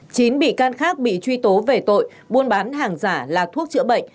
chín bị can khác bị truy tố về tội buôn bán hàng giả là thuốc chữa bệnh